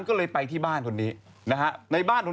ก็เลยไปที่บ้านทนนี้นะฮะ